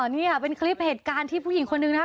นี่เป็นคลิปเหตุการณ์ที่ผู้หญิงคนนึงนะครับ